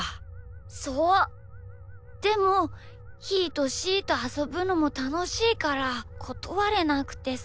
でもひーとしーとあそぶのもたのしいからことわれなくてさ。